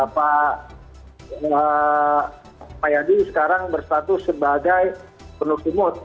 pak yadi sekarang berstatus sebagai penuh simut